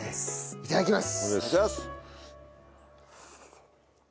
いただきます！